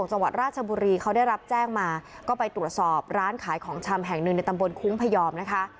จังหวัดราชบุรีเขาได้รับแจ้งมาก็ไปตรวจสอบร้านขายของชำแห่งหนึ่งในตำบลคุ้งพยอมนะคะ